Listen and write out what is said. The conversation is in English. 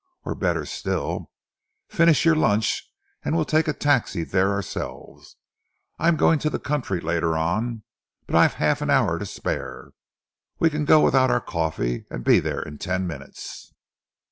"Or better still, finish your lunch and we'll take a taxi there ourselves. I'm going to the country later on, but I've half an hour to spare. We can go without our coffee and be there in ten minutes."